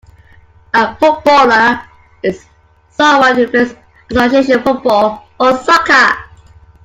A footballer is someone who plays Association Football, or soccer